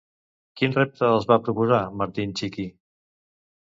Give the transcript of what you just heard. Quin repte els va proposar Martin Txiki?